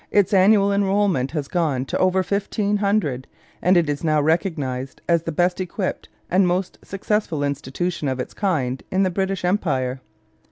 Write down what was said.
Its annual enrolment has grown to over fifteen hundred, and it is now recognized as the best equipped and most successful institution of its kind in the British Empire.